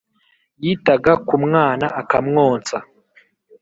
Yitaga ku mwana, akamwonsa,